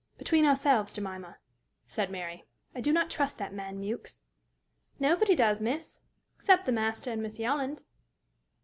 "Between ourselves, Jemima," said Mary, "I do not trust that man Mewks." "Nobody does, miss, except the master and Miss Yolland."